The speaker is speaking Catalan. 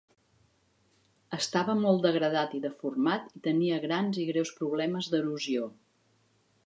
Estava molt degradat i deformat, i tenia grans i greus problemes d'erosió.